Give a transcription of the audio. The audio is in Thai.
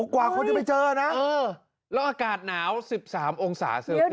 กว่าคนที่ไม่เจอนะแล้วอากาศหนาวสิบสามองศาเสริม